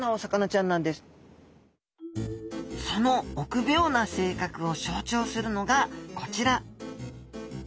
その臆病な性格を象徴するのがこちら。